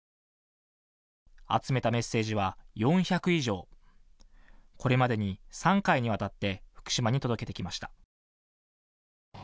集めたメッセージは４００以上、これまでに３回にわたって福島に届けてきました。